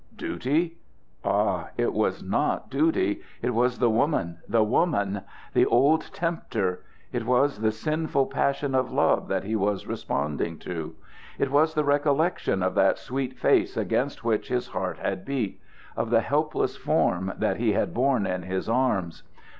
Duty? Ah! it was not duty. It was the woman, the woman! The old tempter! It was the sinful passion of love that he was responding to; it was the recollection of that sweet face against which his heart had beat of the helpless form that he had borne in his arms.